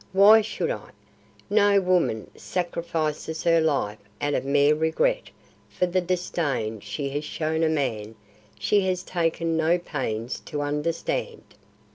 Why should I? No woman sacrifices her life out of mere regret for the disdain she has shown a man she has taken no pains to understand."